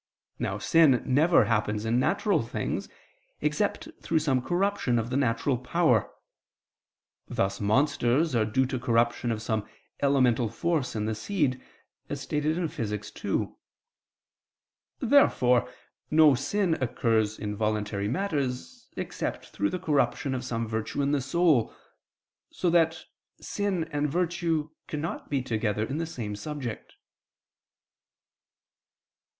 Now sin never happens in natural things, except through some corruption of the natural power; thus monsters are due to corruption of some elemental force in the seed, as stated in Phys. ii. Therefore no sin occurs in voluntary matters, except through the corruption of some virtue in the soul: so that sin and virtue cannot be together in the same subject.